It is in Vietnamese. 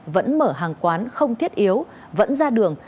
vẫn mở hàng quán không thiết yếu vẫn ra đường